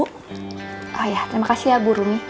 oh ya terima kasih ya bu rumi